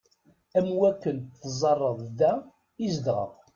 Am wakken teẓẓareḍ da i zedɣeɣ.